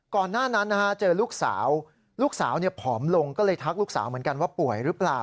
ก่อนหน้านั้นเจอลูกสาวลูกสาวผอมลงก็เลยทักลูกสาวเหมือนกันว่าป่วยหรือเปล่า